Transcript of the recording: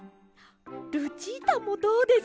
ルチータもどうです？